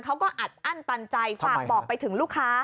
เขาก็อัดอั้นตันใจฝากบอกไปถึงลูกค้า